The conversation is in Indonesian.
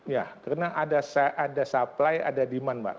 ya karena ada supply ada demand mbak